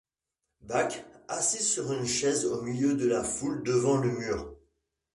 Bach, assis sur une chaise au milieu de la foule devant le mur.